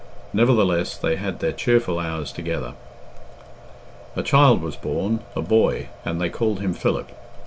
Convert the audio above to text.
Nevertheless they had their cheerful hours together. A child was born, a boy, and they called him Philip.